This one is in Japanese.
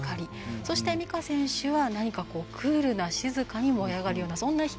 そして、光夏選手はクールな静かに燃え上がるようなそんな光。